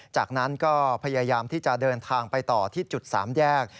จากนั้นก็พยายามที่จะเดินทางไปต่อที่จุด๓แยก